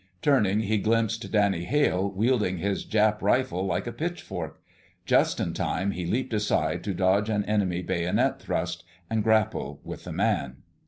Turning, he glimpsed Danny Hale wielding his Jap rifle like a pitchfork. Just in time, he leaped aside to dodge an enemy bayonet thrust and grapple with the man.